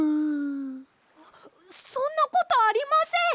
そんなことありません！